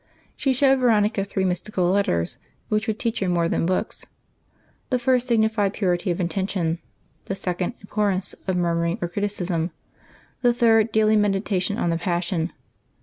She showed Veronica three mystical letters which would teach her more than books. The first signified purity of intention; the second, abhorrence of murmuring or criticism; the third, daily meditation on the Passion.